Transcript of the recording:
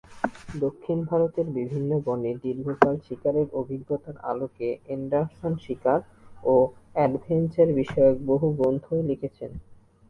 দক্ষিণ ভারতের বিভিন্ন বনে দীর্ঘকাল শিকারের অভিজ্ঞতার আলোকে এন্ডারসন শিকার ও এডভেঞ্চার বিষয়ক বহু গ্রন্থও লিখেছেন।